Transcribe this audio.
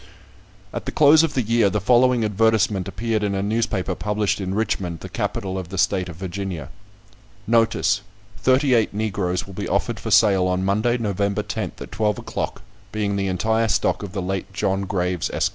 At the close of the year, the following advertisement appeared in a newspaper published in Richmond, the capital of the state of Virginia: "Notice: Thirty eight Negroes will be offered for sale on Monday, November 10th, at twelve o'clock, being the entire stock of the late John Graves, Esq.